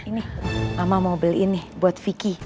ini mama mau beliin nih buat vicky